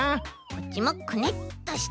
こっちもくねっとして。